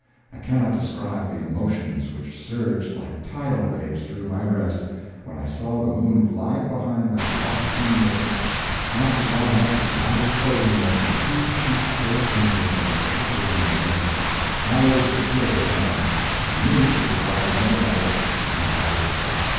I cannot describe the emotions which surged like tidal waves through my breast when I saw the moon glide behind that lofty needle and pass it by without exposing more than two feet four inches of her upper rim above it; I was secure, then. I knew she could rise no higher, and I was right.